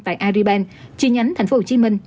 tại ariban chi nhánh tp hcm